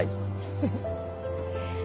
フフッ。